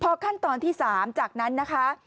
พอขั้นตอนที่๓จากนั้นนะคะ